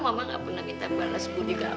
mama nggak pernah minta balas budi kamu